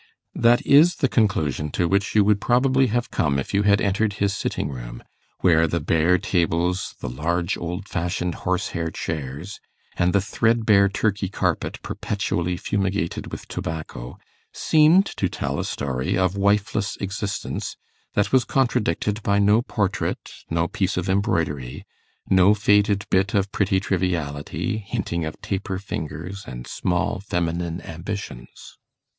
That is the conclusion to which you would probably have come if you had entered his sitting room, where the bare tables, the large old fashioned horse hair chairs, and the threadbare Turkey carpet perpetually fumigated with tobacco, seemed to tell a story of wifeless existence that was contradicted by no portrait, no piece of embroidery, no faded bit of pretty triviality, hinting of taper fingers and small feminine ambitions.